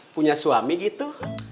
punya suami gitu